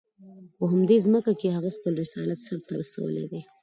په همدې ځمکه کې هغه خپل رسالت سر ته رسولی دی.